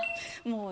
もう。